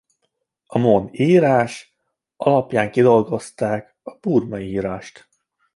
A mon írás alapján kidolgozták a burmai írást.